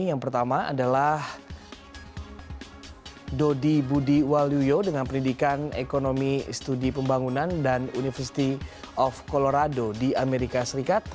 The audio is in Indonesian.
yang pertama adalah dodi budi waluyo dengan pendidikan ekonomi studi pembangunan dan university of colorado di amerika serikat